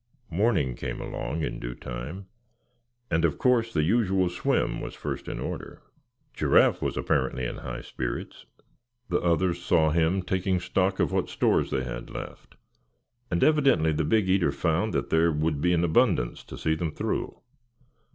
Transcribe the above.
Morning came along in due time, and of course the usual swim was first in order. Giraffe was apparently in high spirits. The others saw him taking stock of what stores they had left, and evidently the big eater found that there would be an abundance to see them through.